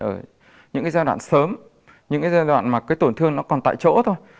ở những giai đoạn sớm những giai đoạn mà tổn thương còn tại chỗ thôi